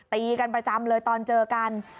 ตีกันประจำเลยตอนเจอกัน